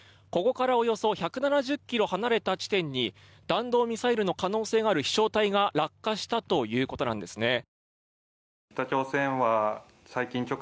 ここからおよそ１７０ｋｍ離れた地点に弾道ミサイルの可能性のある飛翔体が落下したということなんですね。